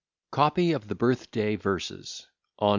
COPY OF THE BIRTH DAY VERSES ON MR.